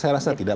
saya rasa tidak